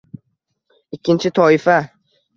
Ikinchi toifa